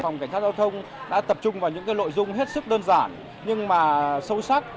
phòng cảnh sát giao thông đã tập trung vào những nội dung hết sức đơn giản nhưng mà sâu sắc